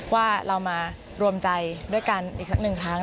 ว่าเรามารวมใจด้วยกันอีกสักหนึ่งครั้ง